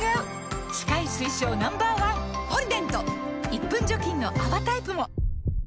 １分除菌の泡タイプも！